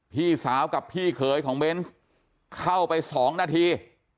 พี่สาวกับพี่เขยของเบนส์เข้าไป๒นาที